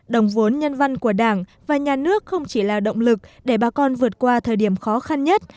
đồng vốn nhân văn của đảng và nhà nước không chỉ là động lực để bà con vượt qua thời điểm khó khăn nhất